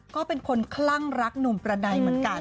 ก็เป็นคนคลั่งรักหนุ่มประดัยเหมือนกัน